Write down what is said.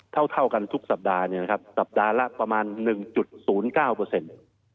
เท่าเท่ากันทุกสัปดาห์เนี่ยนะครับสัปดาห์ละประมาณหนึ่งจุดศูนย์เก้าเปอร์เซ็นต์